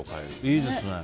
いいですよね。